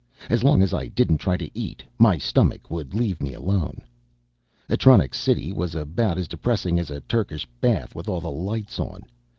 As long as I didn't try to eat, my stomach would leave me alone. Atronics City was about as depressing as a Turkish bath with all the lights on.